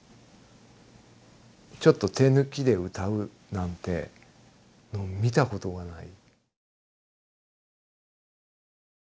ちょっと手抜きで歌うなんて見たことがない。